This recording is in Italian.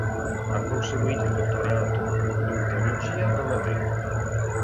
Ha conseguito il dottorato in teologia a Madrid.